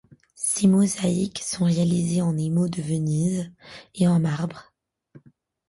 Ces mosaïques sont réalisés en émaux de Venise et en marbre.